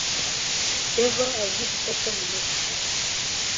Eva azi gufata mu mutwe